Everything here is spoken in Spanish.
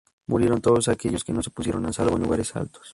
Murieron todos aquellos que no se pusieron a salvo en lugares altos.